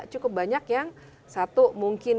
cukup banyak yang satu mungkin